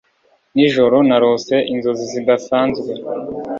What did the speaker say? Nijoro narose inzozi zidasanzwe